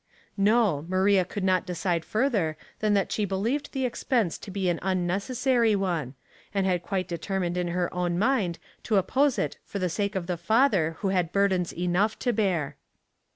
No, Maria could not decide further than that she believed the expense to be an unnecessary one, and had quite determined in her own mind to oppose it for the sake of the father who had burdens enough to bear.